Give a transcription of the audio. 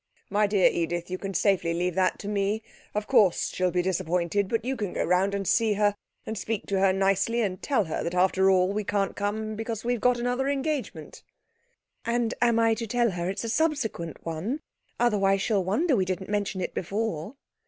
'My dear Edith, you can safely leave that to me. Of course she'll be disappointed, but you can go round and see her, and speak to her nicely and tell her that after all we can't come because we've got another engagement.' 'And am I to tell her it's a subsequent one? Otherwise she'll wonder we didn't mention it before.'